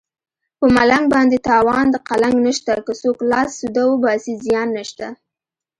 په ملنګ باندې تاوان د قلنګ نشته که څوک لاس سوده وباسي زیان نشته